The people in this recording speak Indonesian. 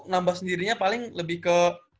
nambah sendirinya paling lebih ke